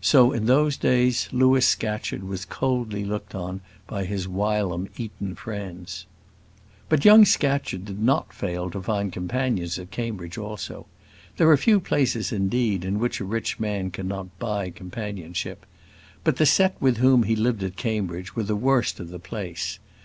So, in those days, Louis Scatcherd was coldly looked on by his whilom Eton friends. But young Scatcherd did not fail to find companions at Cambridge also. There are few places indeed in which a rich man cannot buy companionship. But the set with whom he lived at Cambridge were the worst of the place.